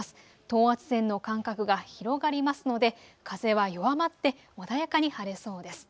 等圧線の間隔が広がりますので風は弱まって穏やかに晴れそうです。